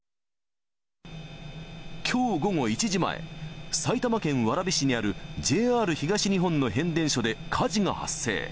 きょう午後１時前、埼玉県蕨市にあるＪＲ東日本の変電所で火事が発生。